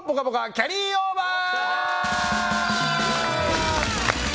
キャリーオーバー！